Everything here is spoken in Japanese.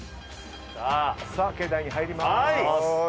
さあ境内に入ります。